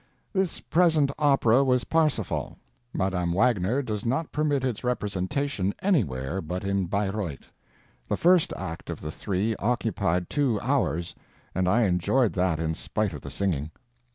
This present opera was "Parsifal." Madame Wagner does not permit its representation anywhere but in Bayreuth. The first act of the three occupied two hours, and I enjoyed that in spite of the singing.